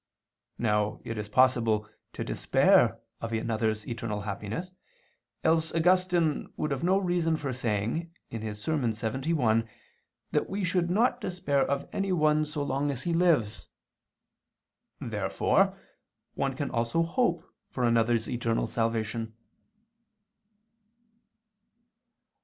Now it is possible to despair of another's eternal happiness, else Augustine would have no reason for saying (De Verb. Dom., Serm. lxxi) that we should not despair of anyone so long as he lives. Therefore one can also hope for another's eternal salvation.